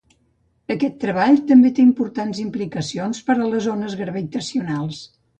Aquest treball també té importants implicacions per a les ones gravitacionals.